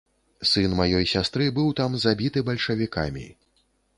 Сын маёй сястры быў там забіты бальшавікамі.